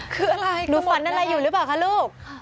คืออะไรหนูฝันอะไรอยู่หรือเปล่าคะลูก